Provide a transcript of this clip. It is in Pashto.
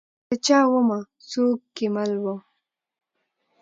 د چا ومه؟ څوک کې مل وه ؟